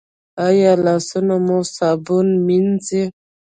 ایا لاسونه مو صابون مینځئ؟